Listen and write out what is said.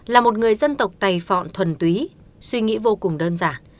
là một người dân tộc tài phọn thuần túy suy nghĩ vô cùng đơn giản